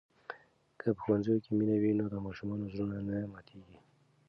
که په ښوونځي کې مینه وي نو د ماشومانو زړونه نه ماتېږي.